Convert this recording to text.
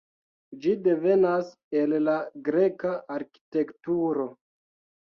Ĝi devenas el la greka arkitekturo.